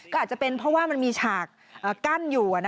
ก็อาจจะเป็นเพราะว่ามันมีฉากกั้นอยู่